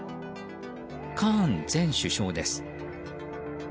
カーン前首相です。